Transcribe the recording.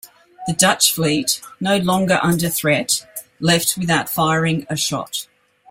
The Dutch fleet, no longer under threat, left without firing a shot.